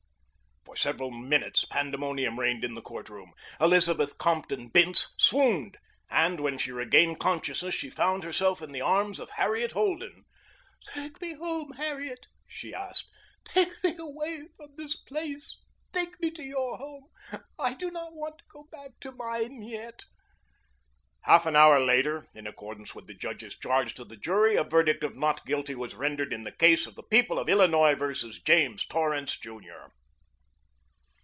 For several minutes pandemonium reigned in the court room. Elizabeth Compton Bince swooned, and when she regained consciousness she found herself in the arms of Harriet Holden. "Take me home, Harriet," she asked; "take me away from this place. Take me to your home. I do not want to go back to mine yet." Half an hour later, in accordance with the judge's charge to the jury, a verdict of "Not guilty" was rendered in the case of the People of Illinois versus James Torrance, Jr.